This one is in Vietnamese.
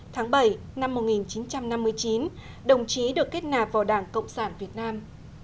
tháng bảy năm một nghìn chín trăm năm mươi chín đồng chí được kết nạp vào đảng cộng sản việt nam